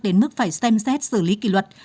đến mức phải xem xét xử lý kỷ luật